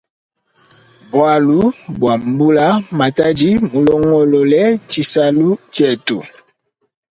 Bwalu bwa mbula matadi mulongolole tshisalu tshietu.